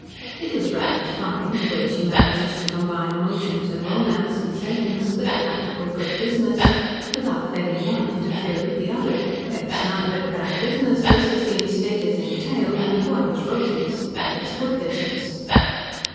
It is rather fine, the way she manages to combine emotions and romance and sentiments with practical good business, without letting one interfere with the other. It's none of it bad business this, as the estate is entailed, and the boy is Rosy's. It's good business."